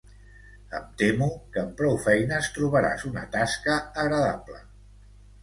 Em temo que amb prou feines trobaràs una tasca agradable.